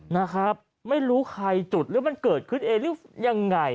นะครับไม่รู้ใครจุดหรือมันเกิดขึ้นเองหรือยังไง